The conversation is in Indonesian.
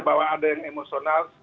bahwa ada yang emosional